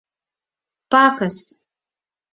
Пакыс!..